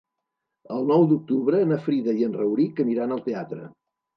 El nou d'octubre na Frida i en Rauric aniran al teatre.